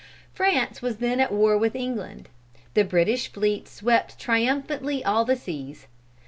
France was then at war with England. The British fleet swept triumphantly all the seas.